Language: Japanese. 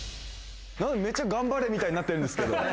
めちゃ頑張れみたいになってるんですけど。